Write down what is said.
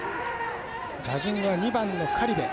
打順は２番の苅部。